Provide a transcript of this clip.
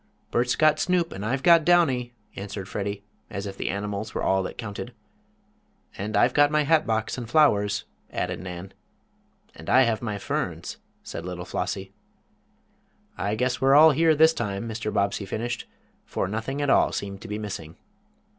"Bert's got Snoop and I've got Downy," answered Freddie, as if the animals were all that counted. "And I've got my hatbox and flowers," added Nan. "And I have my ferns," said little Flossie. "I guess we're all here this time," Mr. Bobbsey finished, for nothing at all seemed to be missing.